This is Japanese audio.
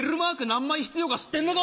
何枚必要か知ってんのか？